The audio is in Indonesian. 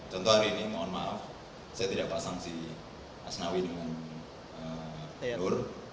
contoh hari ini mohon maaf saya tidak pasang si asnawi dengan nur